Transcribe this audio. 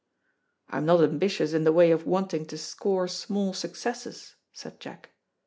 "I'm not ambitious in the way of wanting to score small successes," said Jack.